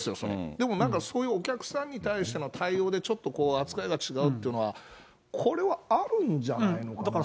でもなんかそういうお客さんに対しての対応でちょっと扱いが違うっていうのは、これはあるんじゃないのかな。